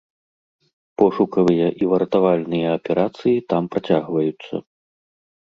Пошукавыя і выратавальныя аперацыі там працягваюцца.